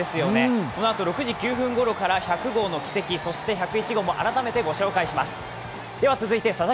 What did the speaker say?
このあと６時９分ごろから１００号の軌跡、そして１０１号も改めてご紹介します